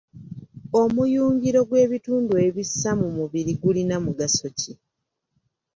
Omuyungiro gw'ebitundu ebissa mu mubiri gulina mugaso ki?